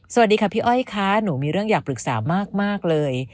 สวัสดีค่ะพี่อ้อยค่ะหนูมีเรื่องอยากปรึกษามากเลย